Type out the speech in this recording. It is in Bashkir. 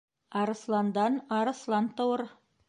Арыҫландан арыҫлан тыуыр.